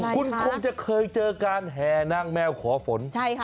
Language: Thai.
คุณคงจะเคยเจอการแห่นางแมวขอฝน